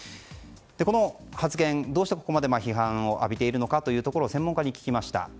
この発言、どうしてここまで批判を浴びているのかを専門家に聞きました。